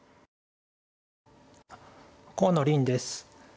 河野臨です。